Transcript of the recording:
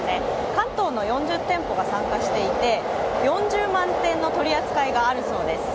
関東の４０店舗が参加していて、４０万点の取り扱いがあるそうです。